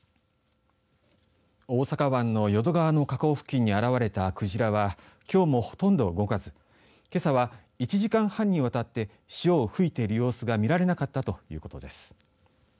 大阪湾の淀川の河口付近に現れたクジラはきょうも、ほとんど動かずけさは１時間半にわたって潮を吹いている様子が見られなかったということです。